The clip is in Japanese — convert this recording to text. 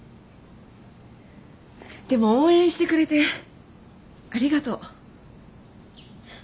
でも応援してくれてありがとう。